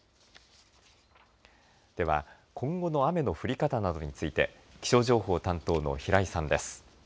では、今後の雨の降り方などについて気象情報担当の平井さんです。